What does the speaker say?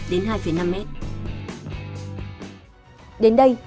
đến đây thời lượng của chương trình cũng đã hết